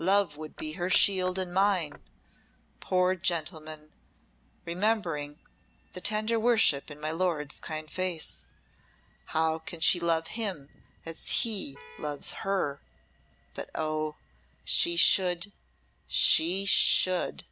Love would be her shield and mine. Poor gentleman," remembering the tender worship in my Lord's kind face; "how can she love him as he loves her? But oh, she should she should!"